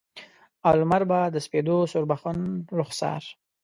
او لمر به د سپیدو سوربخن رخسار